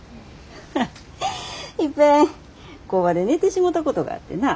いっぺん工場で寝てしもたことがあってな。